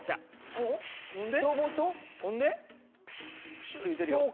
プシュ言うてるよ。